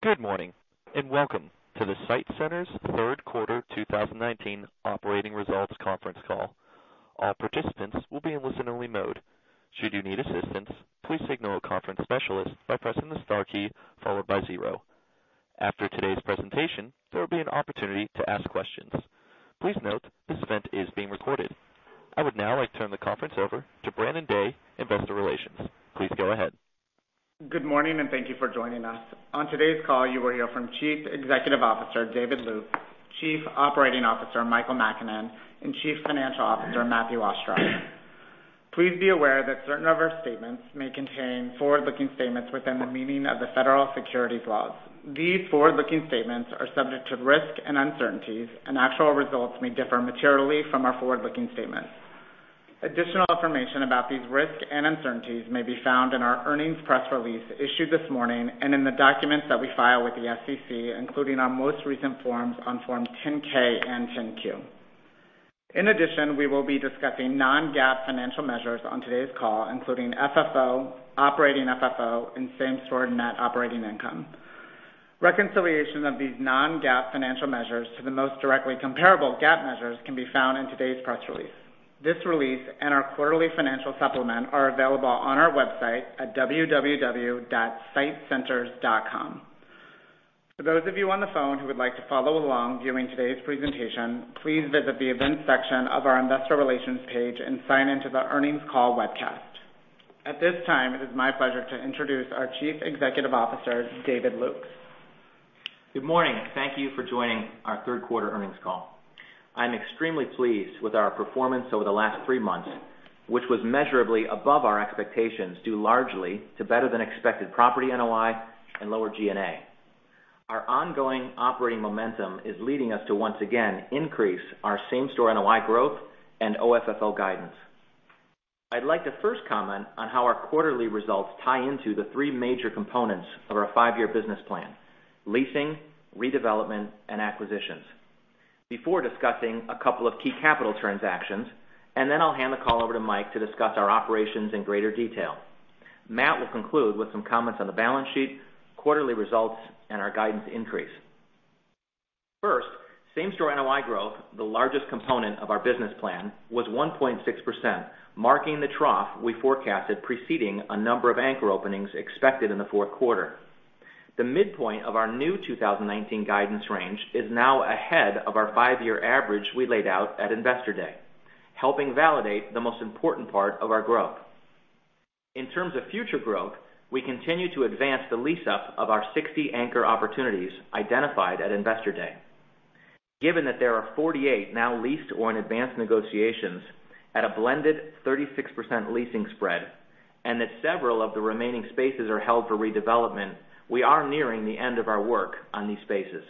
Good morning, and welcome to the SITE Centers third quarter 2019 operating results conference call. All participants will be in listen-only mode. Should you need assistance, please signal a conference specialist by pressing the star key, followed by 0. After today's presentation, there will be an opportunity to ask questions. Please note, this event is being recorded. I would now like to turn the conference over to Brandon Day-Anderson, Investor Relations. Please go ahead. Good morning, and thank you for joining us. On today's call, you will hear from Chief Executive Officer, David Lukes, Chief Operating Officer, Michael Makinen, and Chief Financial Officer, Matthew Ostrower. Please be aware that certain of our statements may contain forward-looking statements within the meaning of the federal securities laws. These forward-looking statements are subject to risks and uncertainties, and actual results may differ materially from our forward-looking statements. Additional information about these risks and uncertainties may be found in our earnings press release issued this morning, and in the documents that we file with the SEC, including our most recent forms on Form 10-K and 10-Q. In addition, we will be discussing non-GAAP financial measures on today's call, including FFO, operating FFO, and same-store net operating income. Reconciliation of these non-GAAP financial measures to the most directly comparable GAAP measures can be found in today's press release. This release and our quarterly financial supplement are available on our website at www.sitecenters.com. For those of you on the phone who would like to follow along viewing today's presentation, please visit the events section of our investor relations page and sign in to the earnings call webcast. At this time, it is my pleasure to introduce our Chief Executive Officer, David Lukes. Good morning. Thank you for joining our third quarter earnings call. I'm extremely pleased with our performance over the last three months, which was measurably above our expectations, due largely to better than expected property NOI and lower G&A. Our ongoing operating momentum is leading us to once again increase our same-store NOI growth and OFFO guidance. I'd like to first comment on how our quarterly results tie into the three major components of our five-year business plan, leasing, redevelopment, and acquisitions, before discussing a couple of key capital transactions, and then I'll hand the call over to Mike to discuss our operations in greater detail. Matt will conclude with some comments on the balance sheet, quarterly results, and our guidance increase. First, same-store NOI growth, the largest component of our business plan, was 1.6%, marking the trough we forecasted preceding a number of anchor openings expected in the fourth quarter. The midpoint of our new 2019 guidance range is now ahead of our five-year average we laid out at Investor Day, helping validate the most important part of our growth. In terms of future growth, we continue to advance the lease up of our 60 anchor opportunities identified at Investor Day. Given that there are 48 now leased or in advanced negotiations at a blended 36% leasing spread, and that several of the remaining spaces are held for redevelopment, we are nearing the end of our work on these spaces.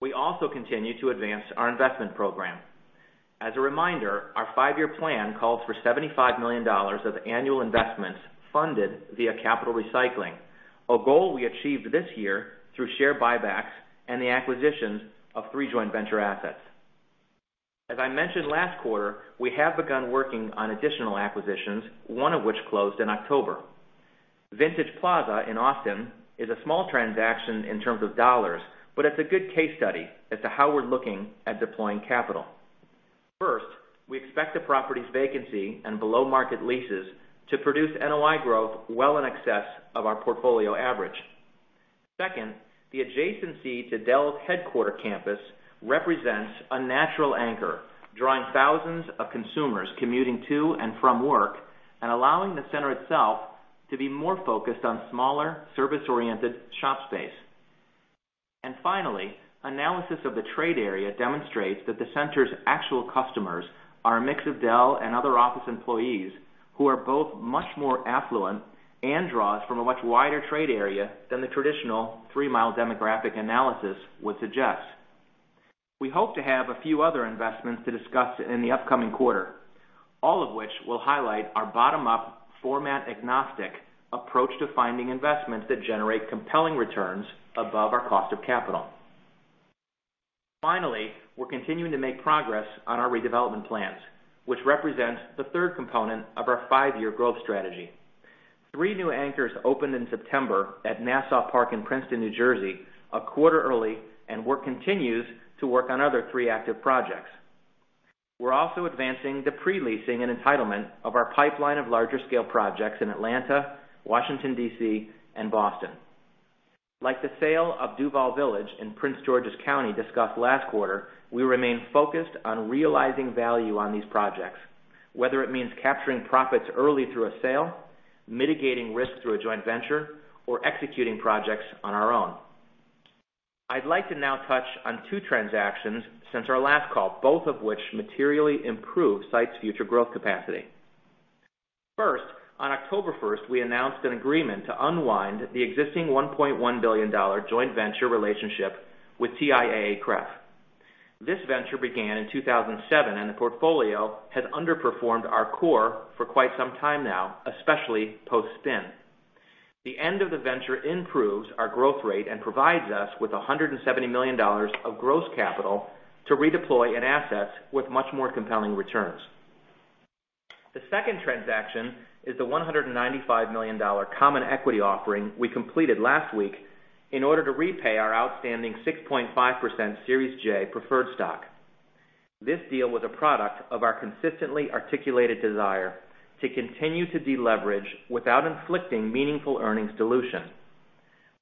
We also continue to advance our investment program. As a reminder, our five-year plan calls for $75 million of annual investments funded via capital recycling, a goal we achieved this year through share buybacks and the acquisitions of three joint venture assets. As I mentioned last quarter, we have begun working on additional acquisitions, one of which closed in October. Vintage Plaza in Austin is a small transaction in terms of dollars, but it's a good case study as to how we're looking at deploying capital. First, we expect the property's vacancy and below-market leases to produce NOI growth well in excess of our portfolio average. Second, the adjacency to Dell's headquarter campus represents a natural anchor, drawing thousands of consumers commuting to and from work and allowing the center itself to be more focused on smaller, service-oriented shop space. Finally, analysis of the trade area demonstrates that the center's actual customers are a mix of Dell and other office employees, who are both much more affluent and draws from a much wider trade area than the traditional 3-mile demographic analysis would suggest. We hope to have a few other investments to discuss in the upcoming quarter, all of which will highlight our bottom-up format agnostic approach to finding investments that generate compelling returns above our cost of capital. Finally, we're continuing to make progress on our redevelopment plans, which represents the third component of our 5-year growth strategy. Three new anchors opened in September at Nassau Park in Princeton, New Jersey, a quarter early, and work continues to work on other three active projects. We're also advancing the pre-leasing and entitlement of our pipeline of larger scale projects in Atlanta, Washington, D.C., and Boston. Like the sale of DuVal Village in Prince George's County discussed last quarter, we remain focused on realizing value on these projects, whether it means capturing profits early through a sale, mitigating risk through a joint venture, or executing projects on our own. I'd like to now touch on two transactions since our last call, both of which materially improve SITE's future growth capacity. First, on October 1st, we announced an agreement to unwind the existing $1.1 billion joint venture relationship with TIAA-CREF. This venture began in 2007, and the portfolio has underperformed our core for quite some time now, especially post-spin. The end of the venture improves our growth rate and provides us with $170 million of gross capital to redeploy in assets with much more compelling returns. The second transaction is the $195 million common equity offering we completed last week in order to repay our outstanding 6.5% Series J preferred stock. This deal was a product of our consistently articulated desire to continue to deleverage without inflicting meaningful earnings dilution.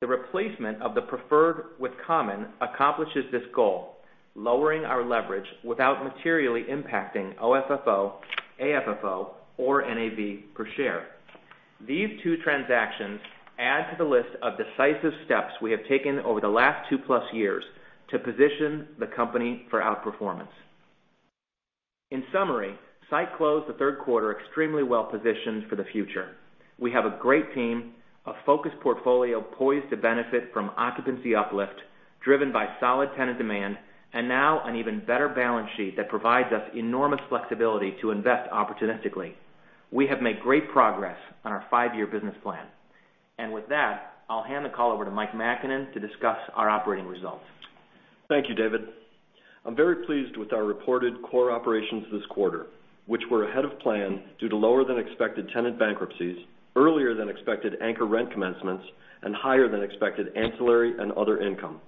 The replacement of the preferred with common accomplishes this goal, lowering our leverage without materially impacting OFFO, AFFO, or NAV per share. These two transactions add to the list of decisive steps we have taken over the last two plus years to position the company for outperformance. In summary, SITE closed the third quarter extremely well positioned for the future. We have a great team, a focused portfolio poised to benefit from occupancy uplift, driven by solid tenant demand, and now an even better balance sheet that provides us enormous flexibility to invest opportunistically. We have made great progress on our five-year business plan. With that, I'll hand the call over to Michael Makinen to discuss our operating results. Thank you, David. I'm very pleased with our reported core operations this quarter, which were ahead of plan due to lower than expected tenant bankruptcies, earlier than expected anchor rent commencements, and higher than expected ancillary and other income.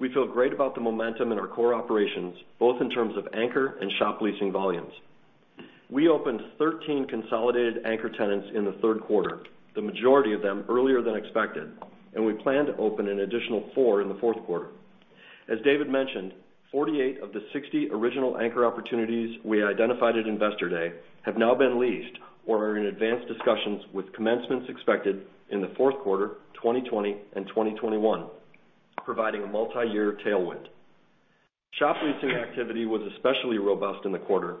We feel great about the momentum in our core operations, both in terms of anchor and shop leasing volumes. We opened 13 consolidated anchor tenants in the third quarter, the majority of them earlier than expected, and we plan to open an additional four in the fourth quarter. As David mentioned, 48 of the 60 original anchor opportunities we identified at Investor Day have now been leased or are in advanced discussions with commencements expected in the fourth quarter 2020 and 2021, providing a multiyear tailwind. Shop leasing activity was especially robust in the quarter.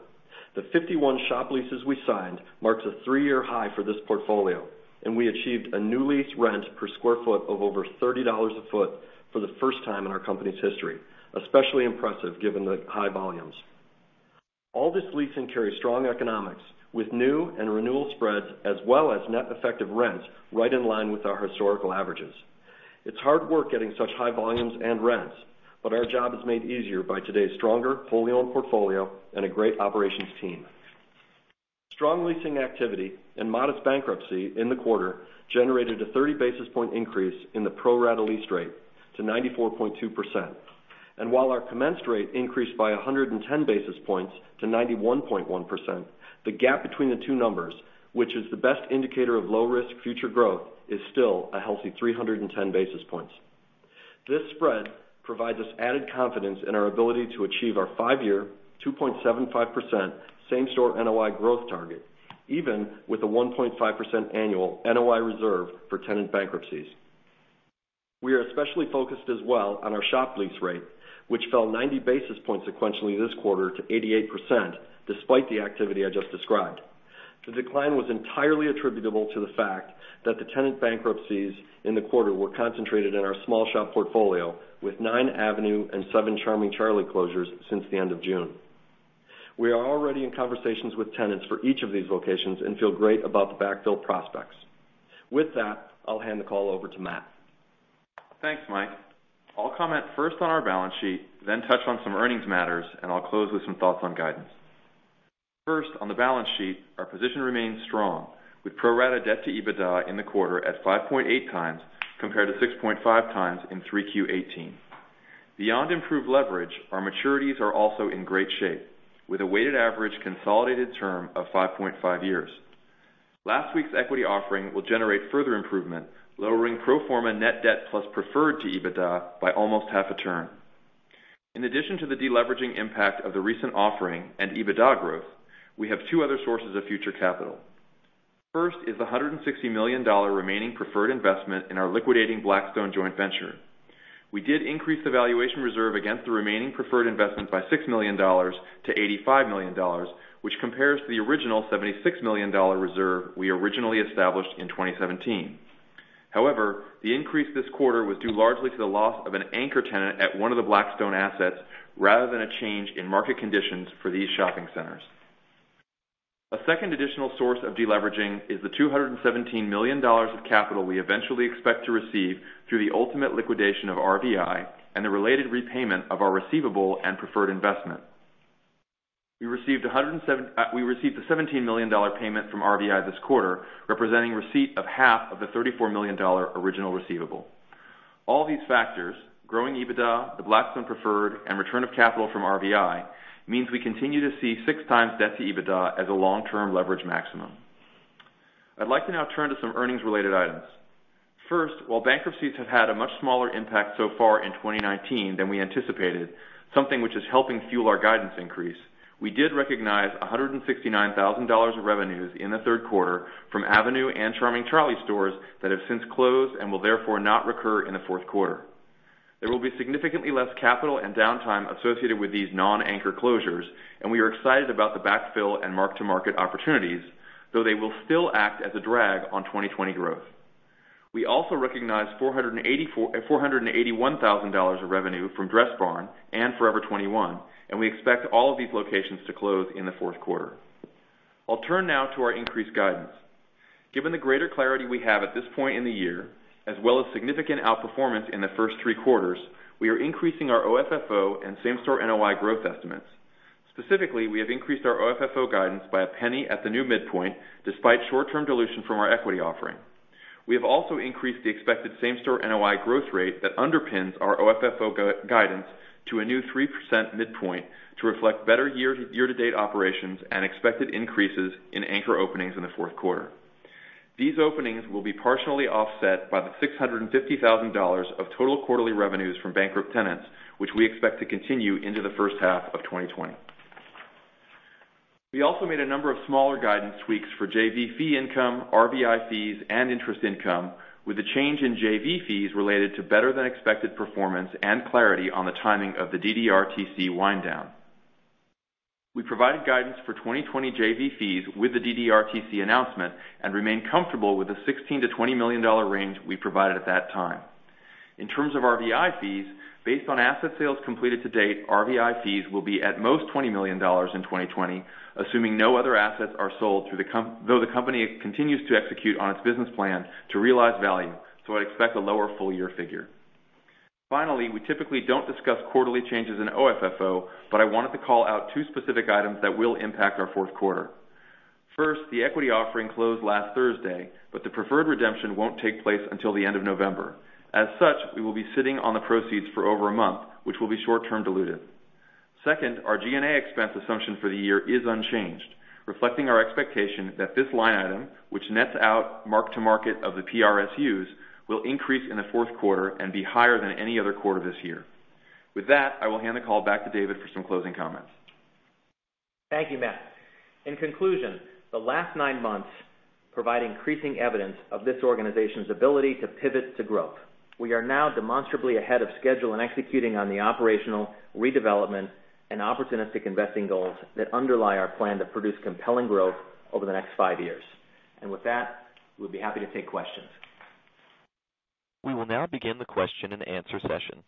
The 51 shop leases we signed marks a three-year high for this portfolio, and we achieved a new lease rent per sq ft of over $30 a foot for the first time in our company's history. Especially impressive given the high volumes. All this leasing carries strong economics with new and renewal spreads, as well as net effective rents right in line with our historical averages. It's hard work getting such high volumes and rents, but our job is made easier by today's stronger wholly owned portfolio and a great operations team. Strong leasing activity and modest bankruptcy in the quarter generated a 30-basis point increase in the pro-rata lease rate to 94.2%. While our commenced rate increased by 110 basis points to 91.1%, the gap between the two numbers, which is the best indicator of low risk future growth, is still a healthy 310 basis points. This spread provides us added confidence in our ability to achieve our five-year, 2.75% same-store NOI growth target, even with a 1.5% annual NOI reserve for tenant bankruptcies. We are especially focused as well on our shop lease rate, which fell 90 basis points sequentially this quarter to 88%, despite the activity I just described. The decline was entirely attributable to the fact that the tenant bankruptcies in the quarter were concentrated in our small shop portfolio, with nine Avenue and seven Charming Charlie closures since the end of June. We are already in conversations with tenants for each of these locations and feel great about the backfill prospects. With that, I'll hand the call over to Matt. Thanks, Mike. I'll comment first on our balance sheet, then touch on some earnings matters, and I'll close with some thoughts on guidance. First, on the balance sheet, our position remains strong, with pro forma debt to EBITDA in the quarter at 5.8 times, compared to 6.5 times in 3Q 2018. Beyond improved leverage, our maturities are also in great shape, with a weighted average consolidated term of 5.5 years. Last week's equity offering will generate further improvement, lowering pro forma net debt plus preferred to EBITDA by almost half a turn. In addition to the deleveraging impact of the recent offering and EBITDA growth, we have two other sources of future capital. First is the $160 million remaining preferred investment in our liquidating Blackstone joint venture. We did increase the valuation reserve against the remaining preferred investment by $6 million to $85 million, which compares to the original $76 million reserve we originally established in 2017. The increase this quarter was due largely to the loss of an anchor tenant at one of the Blackstone assets, rather than a change in market conditions for these shopping centers. A second additional source of deleveraging is the $217 million of capital we eventually expect to receive through the ultimate liquidation of RVI and the related repayment of our receivable and preferred investment. We received a $17 million payment from RVI this quarter, representing receipt of half of the $34 million original receivable. All these factors, growing EBITDA, the Blackstone preferred, and return of capital from RVI, means we continue to see 6x debt-to-EBITDA as a long-term leverage maximum. I'd like to now turn to some earnings related items. First, while bankruptcies have had a much smaller impact so far in 2019 than we anticipated, something which is helping fuel our guidance increase, we did recognize $169,000 of revenues in the third quarter from Avenue and Charming Charlie stores that have since closed and will therefore not recur in the fourth quarter. There will be significantly less capital and downtime associated with these non-anchor closures, and we are excited about the backfill and mark-to-market opportunities, though they will still act as a drag on 2020 growth. We also recognized $481,000 of revenue from Dressbarn and Forever 21, and we expect all of these locations to close in the fourth quarter. I'll turn now to our increased guidance. Given the greater clarity we have at this point in the year, as well as significant outperformance in the first three quarters, we are increasing our OFFO and same-store NOI growth estimates. Specifically, we have increased our OFFO guidance by $0.01 at the new midpoint, despite short-term dilution from our equity offering. We have also increased the expected same-store NOI growth rate that underpins our OFFO guidance to a new 3% midpoint to reflect better year-to-date operations and expected increases in anchor openings in the fourth quarter. These openings will be partially offset by the $650,000 of total quarterly revenues from bankrupt tenants, which we expect to continue into the first half of 2020. We also made a number of smaller guidance tweaks for JV fee income, RVI fees, and interest income, with a change in JV fees related to better than expected performance and clarity on the timing of the DDRTC wind down. We provided guidance for 2020 JV fees with the DDRTC announcement and remain comfortable with the $16 million-$20 million range we provided at that time. In terms of RVI fees, based on asset sales completed to date, RVI fees will be at most $20 million in 2020, assuming no other assets are sold, though the company continues to execute on its business plan to realize value, so I'd expect a lower full-year figure. Finally, we typically don't discuss quarterly changes in OFFO, but I wanted to call out two specific items that will impact our fourth quarter. First, the equity offering closed last Thursday, but the preferred redemption won't take place until the end of November. As such, we will be sitting on the proceeds for over a month, which will be short-term diluted. Second, our G&A expense assumption for the year is unchanged, reflecting our expectation that this line item, which nets out mark-to-market of the PRSU, will increase in the fourth quarter and be higher than any other quarter this year. With that, I will hand the call back to David for some closing comments. Thank you, Matt. In conclusion, the last nine months provide increasing evidence of this organization's ability to pivot to growth. We are now demonstrably ahead of schedule in executing on the operational, redevelopment, and opportunistic investing goals that underlie our plan to produce compelling growth over the next five years. With that, we'll be happy to take questions. We will now begin the question and answer session.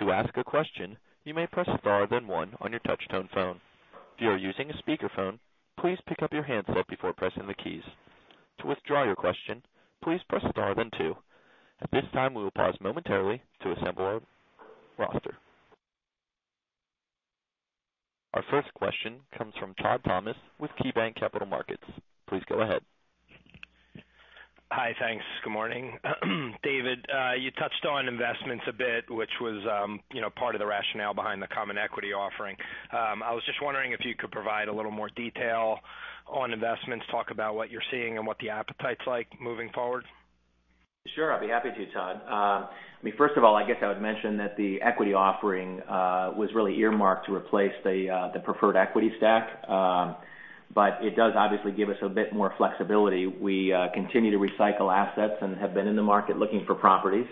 To ask a question, you may press star, then one on your touch-tone phone. If you are using a speakerphone, please pick up your handset before pressing the keys. To withdraw your question, please press star, then two. At this time, we will pause momentarily to assemble our roster. Our first question comes from Todd Thomas with KeyBanc Capital Markets. Please go ahead. Hi, thanks. Good morning. David, you touched on investments a bit, which was part of the rationale behind the common equity offering. I was just wondering if you could provide a little more detail on investments, talk about what you're seeing and what the appetite's like moving forward. Sure, I'd be happy to, Todd. First of all, I guess I would mention that the equity offering was really earmarked to replace the preferred equity stack. It does obviously give us a bit more flexibility. We continue to recycle assets and have been in the market looking for properties.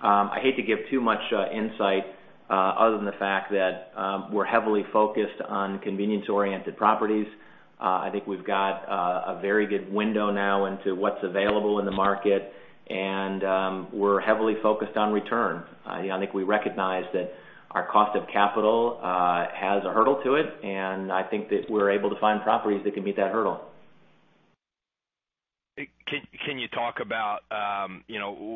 I hate to give too much insight, other than the fact that we're heavily focused on convenience-oriented properties. I think we've got a very good window now into what's available in the market, and we're heavily focused on return. I think we recognize that our cost of capital has a hurdle to it, and I think that we're able to find properties that can meet that hurdle. Can you talk about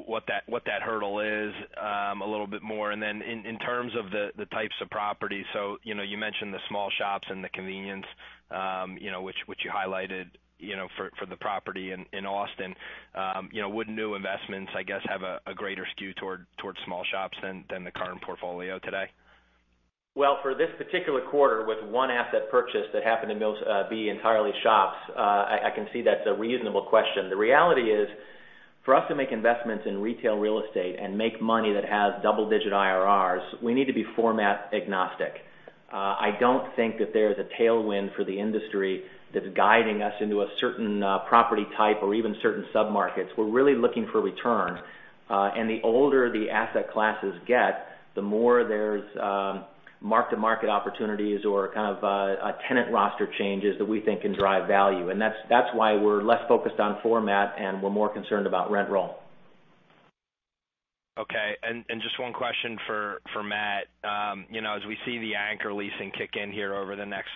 what that hurdle is a little bit more? In terms of the types of properties, so you mentioned the small shops and the convenience which you highlighted for the property in Austin. Would new investments, I guess, have a greater skew towards small shops than the current portfolio today? For this particular quarter, with one asset purchase that happened to be entirely shops, I can see that's a reasonable question. The reality is, for us to make investments in retail real estate and make money that has double-digit IRRs, we need to be format agnostic. I don't think that there's a tailwind for the industry that's guiding us into a certain property type or even certain submarkets. We're really looking for return. The older the asset classes get, the more there's mark-to-market opportunities or kind of tenant roster changes that we think can drive value. That's why we're less focused on format, and we're more concerned about rent roll. Okay. Just one question for Matt. As we see the anchor leasing kick in here over the next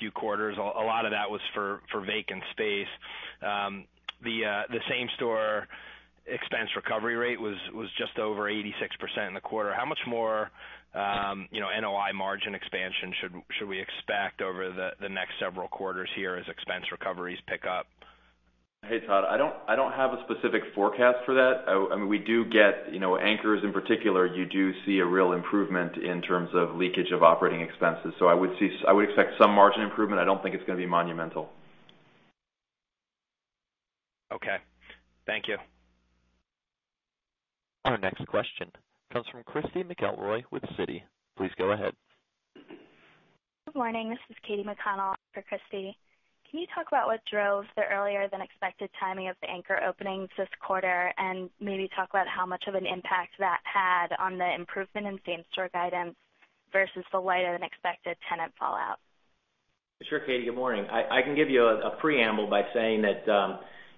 few quarters, a lot of that was for vacant space. The Same-Store expense recovery rate was just over 86% in the quarter. How much more NOI margin expansion should we expect over the next several quarters here as expense recoveries pick up? Hey, Todd, I don't have a specific forecast for that. We do get anchors in particular, you do see a real improvement in terms of leakage of operating expenses. I would expect some margin improvement. I don't think it's going to be monumental. Okay. Thank you. Our next question comes from Christy McElroy with Citi. Please go ahead. Good morning. This is Katy McConnell for Christy. Can you talk about what drove the earlier than expected timing of the anchor openings this quarter, and maybe talk about how much of an impact that had on the improvement in same-store guidance versus the lighter than expected tenant fallout? Sure, Katy, good morning. I can give you a preamble by saying that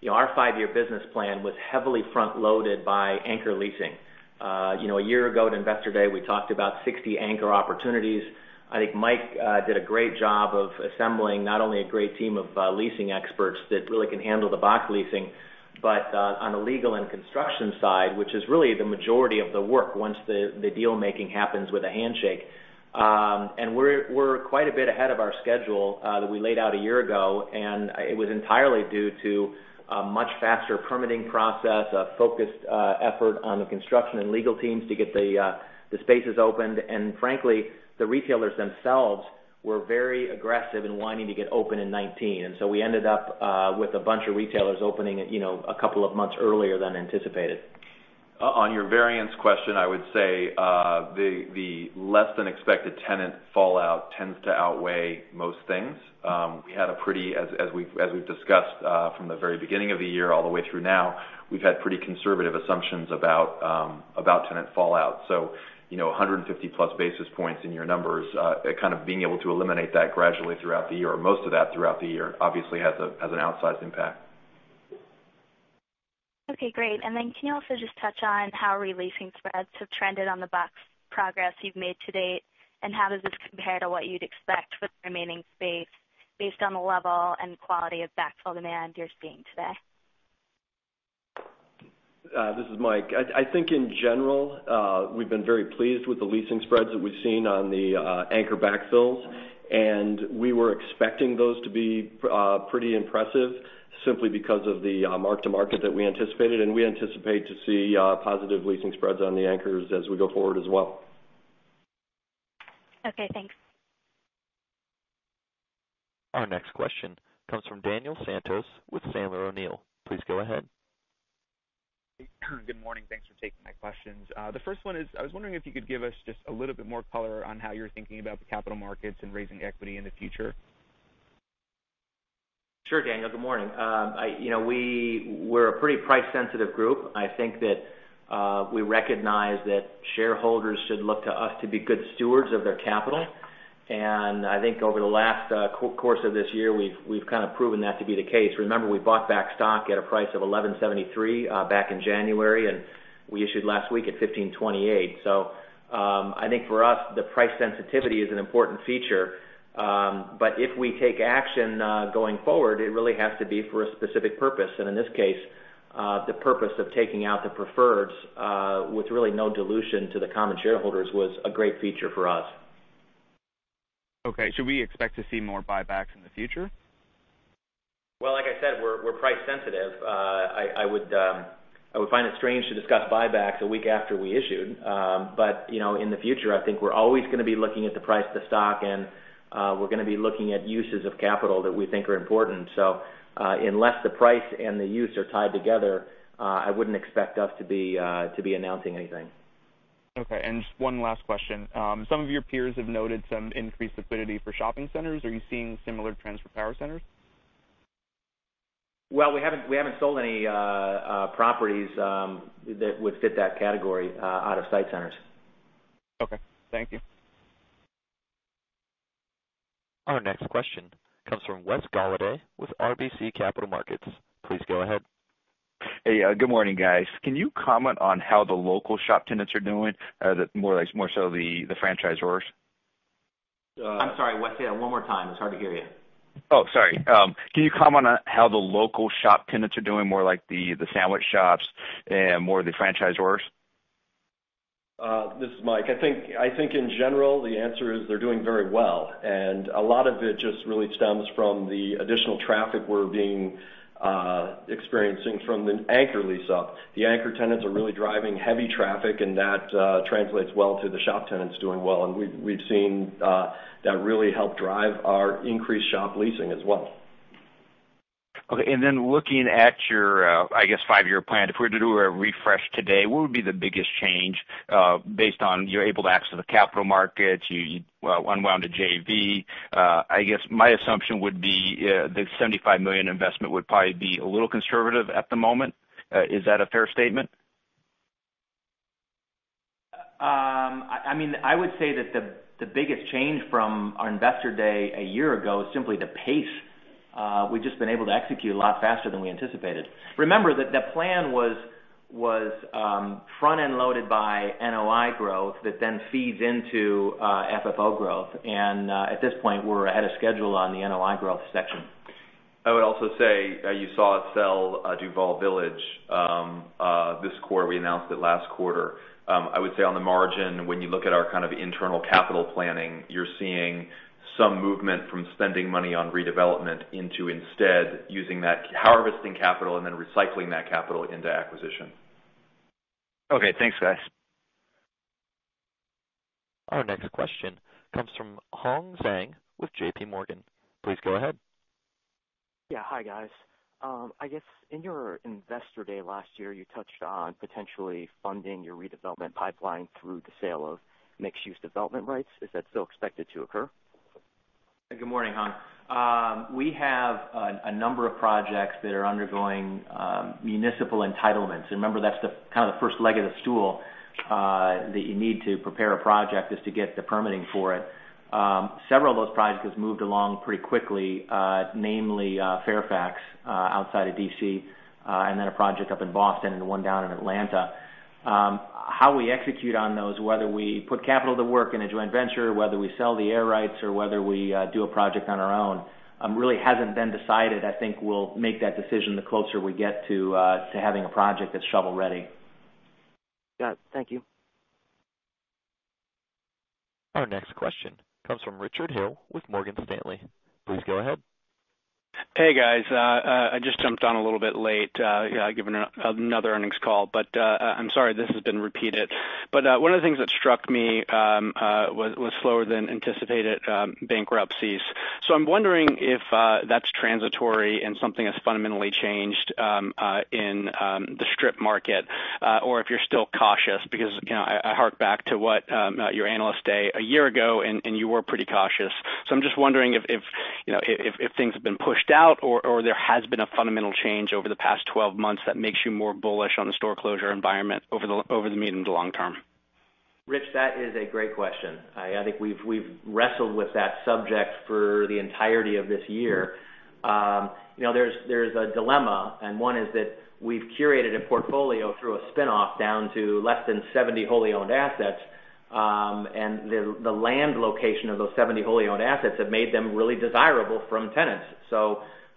our five-year business plan was heavily front-loaded by anchor leasing. A year ago at Investor Day, we talked about 60 anchor opportunities. I think Mike did a great job of assembling not only a great team of leasing experts that really can handle the box leasing, but on the legal and construction side, which is really the majority of the work, once the deal-making happens with a handshake. We're quite a bit ahead of our schedule that we laid out a year ago, and it was entirely due to a much faster permitting process, a focused effort on the construction and legal teams to get the spaces opened. Frankly, the retailers themselves were very aggressive in wanting to get open in 2019. We ended up with a bunch of retailers opening a couple of months earlier than anticipated. On your variance question, I would say, the less than expected tenant fallout tends to outweigh most things. As we've discussed from the very beginning of the year all the way through now, we've had pretty conservative assumptions about tenant fallout. 150-plus basis points in your numbers, kind of being able to eliminate that gradually throughout the year, or most of that throughout the year, obviously has an outsized impact. Okay, great. Can you also just touch on how re-leasing spreads have trended on the box progress you've made to date? How does this compare to what you'd expect with the remaining space based on the level and quality of backfill demand you're seeing today? This is Mike. I think in general, we've been very pleased with the leasing spreads that we've seen on the anchor backfills. We were expecting those to be pretty impressive simply because of the mark-to-market that we anticipated, and we anticipate to see positive leasing spreads on the anchors as we go forward as well. Okay, thanks. Our next question comes from Daniel Santos with Sandler O'Neill. Please go ahead. Good morning. Thanks for taking my questions. The first one is, I was wondering if you could give us just a little bit more color on how you're thinking about the capital markets and raising equity in the future. Sure, Daniel. Good morning. We're a pretty price-sensitive group. I think that we recognize that shareholders should look to us to be good stewards of their capital. I think over the last course of this year, we've kind of proven that to be the case. Remember, we bought back stock at a price of $11.73 back in January, and we issued last week at $15.28. I think for us, the price sensitivity is an important feature. If we take action going forward, it really has to be for a specific purpose. In this case, the purpose of taking out the preferreds, with really no dilution to the common shareholders, was a great feature for us. Okay. Should we expect to see more buybacks in the future? Like I said, we're price sensitive. I would find it strange to discuss buybacks a week after we issued. In the future, I think we're always going to be looking at the price of the stock, and we're going to be looking at uses of capital that we think are important. Unless the price and the use are tied together, I wouldn't expect us to be announcing anything. Okay. Just one last question. Some of your peers have noted some increased liquidity for shopping centers. Are you seeing similar trends for power centers? Well, we haven't sold any properties that would fit that category out of SITE Centers. Okay. Thank you. Our next question comes from Wes Golliday with RBC Capital Markets. Please go ahead. Hey, good morning, guys. Can you comment on how the local shop tenants are doing, more so the franchisors? I'm sorry, Wes. Yeah, one more time. It's hard to hear you. Oh, sorry. Can you comment on how the local shop tenants are doing, more like the sandwich shops and more of the franchisors? This is Mike. I think in general, the answer is they're doing very well. A lot of it just really stems from the additional traffic we're experiencing from the anchor lease up. The anchor tenants are really driving heavy traffic, and that translates well to the shop tenants doing well. We've seen that really help drive our increased shop leasing as well. Okay. Looking at your, I guess, five-year plan, if we were to do a refresh today, what would be the biggest change based on you're able to access the capital markets, you unwound a JV. I guess my assumption would be the $75 million investment would probably be a little conservative at the moment. Is that a fair statement? I would say that the biggest change from our Investor Day a year ago is simply the pace. We've just been able to execute a lot faster than we anticipated. Remember that the plan was front-end loaded by NOI growth that then feeds into FFO growth. At this point, we're ahead of schedule on the NOI growth section. I would also say you saw us sell DuVal Village this quarter. We announced it last quarter. I would say on the margin, when you look at our kind of internal capital planning, you're seeing some movement from spending money on redevelopment into instead harvesting capital and then recycling that capital into acquisition. Okay. Thanks, guys. Our next question comes from Hong Zhang with J.P. Morgan. Please go ahead. Yeah. Hi, guys. I guess in your Investor Day last year, you touched on potentially funding your redevelopment pipeline through the sale of mixed-use development rights. Is that still expected to occur? Good morning, Hong. We have a number of projects that are undergoing municipal entitlements. Remember, that's kind of the first leg of the stool that you need to prepare a project, is to get the permitting for it. Several of those projects moved along pretty quickly, namely Fairfax, outside of D.C., and then a project up in Boston and one down in Atlanta. How we execute on those, whether we put capital to work in a joint venture, whether we sell the air rights or whether we do a project on our own, really hasn't been decided. I think we'll make that decision the closer we get to having a project that's shovel-ready. Got it. Thank you. Our next question comes from Rich Hill with Morgan Stanley. Please go ahead. Hey, guys. I just jumped on a little bit late. Yeah, giving another earnings call, but I'm sorry this has been repeated. One of the things that struck me was slower than anticipated bankruptcies. I'm wondering if that's transitory and something has fundamentally changed in the strip market, or if you're still cautious because I hark back to what your Investor Day a year ago, and you were pretty cautious. I'm just wondering if things have been pushed out or there has been a fundamental change over the past 12 months that makes you more bullish on the store closure environment over the medium to long term. Rich, that is a great question. I think we've wrestled with that subject for the entirety of this year. There's a dilemma, and one is that we've curated a portfolio through a spin-off down to less than 70 wholly owned assets. The land location of those 70 wholly owned assets have made them really desirable from tenants.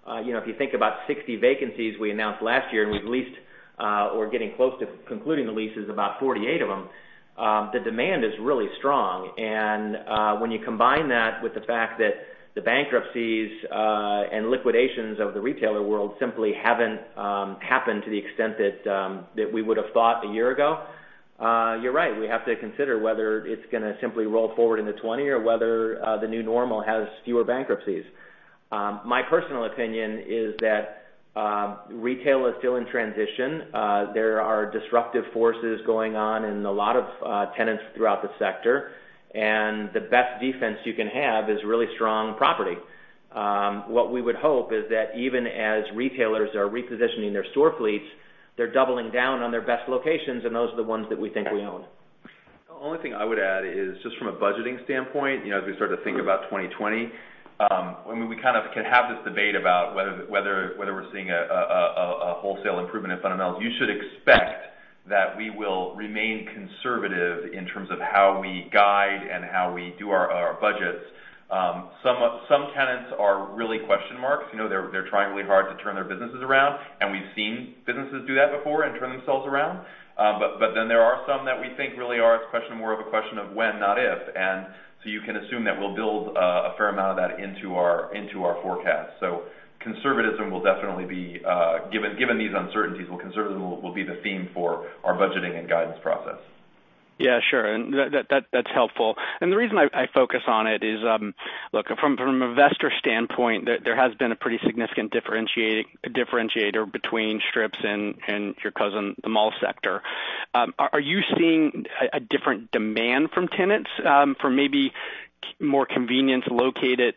If you think about 60 vacancies we announced last year, and we've leased or getting close to concluding the leases about 48 of them, the demand is really strong. When you combine that with the fact that the bankruptcies and liquidations of the retailer world simply haven't happened to the extent that we would have thought a year ago, you're right. We have to consider whether it's going to simply roll forward into 2020 or whether the new normal has fewer bankruptcies. My personal opinion is that retail is still in transition. There are disruptive forces going on in a lot of tenants throughout the sector, and the best defense you can have is really strong property. What we would hope is that even as retailers are repositioning their store fleets, they're doubling down on their best locations, and those are the ones that we think we own. The only thing I would add is just from a budgeting standpoint, as we start to think about 2020, we kind of can have this debate about whether we're seeing a wholesale improvement in fundamentals. You should expect that we will remain conservative in terms of how we guide and how we do our budgets. Some tenants are really question marks. They're trying really hard to turn their businesses around, and we've seen businesses do that before and turn themselves around. There are some that we think really are more of a question of when, not if. You can assume that we'll build a fair amount of that into our forecast. Conservatism will definitely be, given these uncertainties, will be the theme for our budgeting and guidance process. Yeah, sure. That's helpful. The reason I focus on it is, look, from investor standpoint, there has been a pretty significant differentiator between strips and your cousin, the mall sector. Are you seeing a different demand from tenants for maybe more convenience-located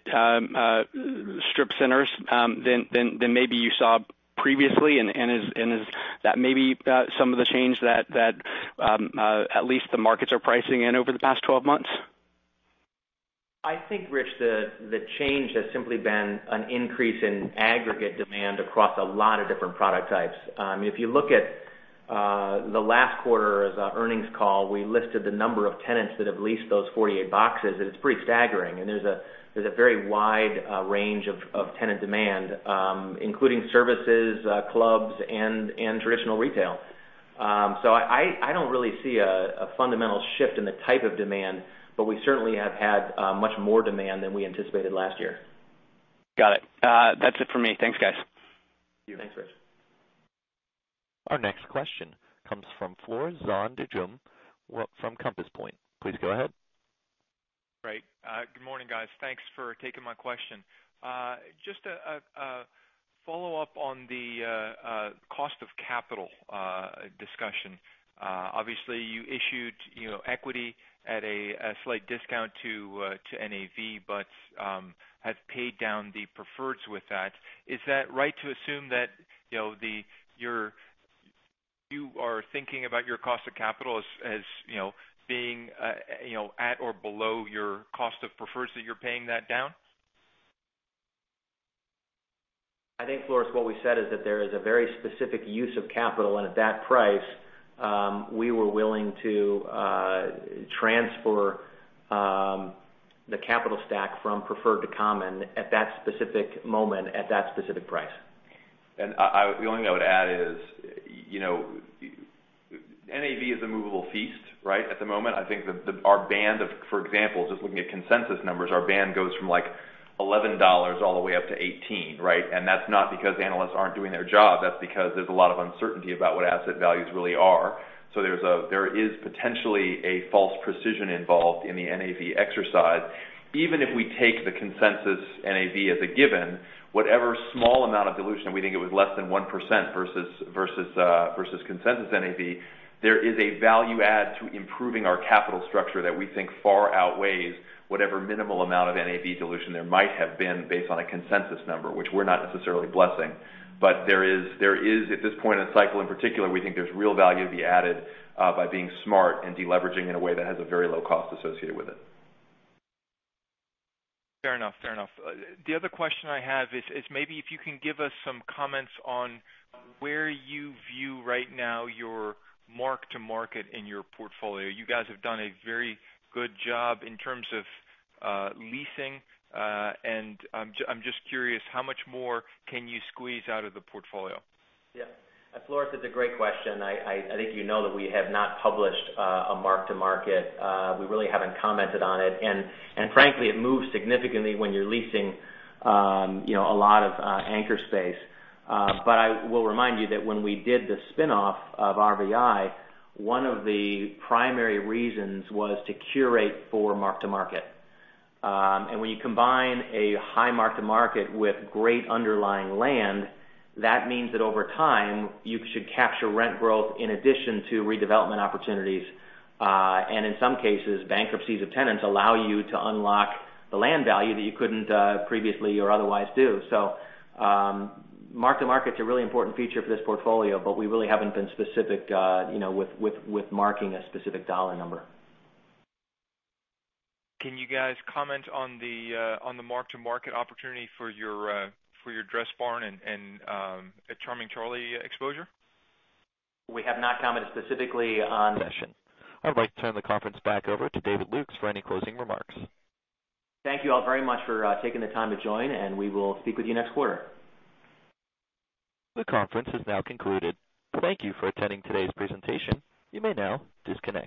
strip centers than maybe you saw previously? Is that maybe some of the change that at least the markets are pricing in over the past 12 months? I think, Rich, the change has simply been an increase in aggregate demand across a lot of different product types. If you look at the last quarter as an earnings call, we listed the number of tenants that have leased those 48 boxes, and it's pretty staggering. There's a very wide range of tenant demand, including services, clubs, and traditional retail. I don't really see a fundamental shift in the type of demand, but we certainly have had much more demand than we anticipated last year. Got it. That's it for me. Thanks, guys. Thank you. Thanks, Rich. Our next question comes from Floris van Dijkum from Compass Point. Please go ahead. Great. Good morning, guys. Thanks for taking my question. Just a follow-up on the cost of capital discussion. Obviously, you issued equity at a slight discount to NAV, but have paid down the preferreds with that. Is that right to assume that you are thinking about your cost of capital as being at or below your cost of preferreds that you're paying that down? I think, Floris, what we said is that there is a very specific use of capital, and at that price, we were willing to transfer the capital stack from preferred to common at that specific moment, at that specific price. The only thing I would add is NAV is a movable feast, right, at the moment. I think our band of, for example, just looking at consensus numbers, our band goes from like $11 all the way up to 18, right? That's not because analysts aren't doing their job. That's because there's a lot of uncertainty about what asset values really are. There is potentially a false precision involved in the NAV exercise. Even if we take the consensus NAV as a given, whatever small amount of dilution, we think it was less than 1% versus consensus NAV, there is a value add to improving our capital structure that we think far outweighs whatever minimal amount of NAV dilution there might have been based on a consensus number, which we're not necessarily blessing. There is, at this point in the cycle in particular, we think there's real value to be added by being smart and de-leveraging in a way that has a very low cost associated with it. Fair enough. The other question I have is maybe if you can give us some comments on where you view right now your mark-to-market in your portfolio. You guys have done a very good job in terms of leasing, and I'm just curious how much more can you squeeze out of the portfolio? Floris, it's a great question. I think you know that we have not published a mark-to-market. We really haven't commented on it. Frankly, it moves significantly when you're leasing a lot of anchor space. I will remind you that when we did the spinoff of RVI, one of the primary reasons was to curate for mark-to-market. When you combine a high mark-to-market with great underlying land, that means that over time, you should capture rent growth in addition to redevelopment opportunities. In some cases, bankruptcies of tenants allow you to unlock the land value that you couldn't previously or otherwise do. Mark-to-market is a really important feature for this portfolio, but we really haven't been specific with marking a specific dollar number. Can you guys comment on the mark-to-market opportunity for your Dressbarn and Charming Charlie exposure? We have not commented specifically on. I'd like to turn the conference back over to David Lukes for any closing remarks. Thank you all very much for taking the time to join, and we will speak with you next quarter. The conference has now concluded. Thank you for attending today's presentation. You may now disconnect.